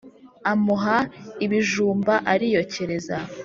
amuha iibijumba ariyokereza